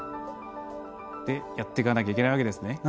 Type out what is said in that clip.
やっていかないといけないわけですね。